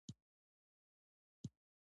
هرات د افغان ماشومانو د لوبو موضوع ده.